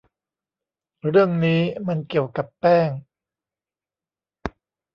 เรื่องนี้มันเกี่ยวกับแป้ง